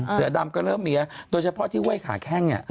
เสือดำก็เริ่มเมียโดยเฉพาะที่เว่ยขาแข้ง